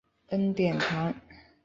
恩典堂。